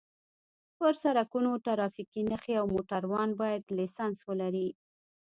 په سرکونو ټرافیکي نښې او موټروان باید لېسنس ولري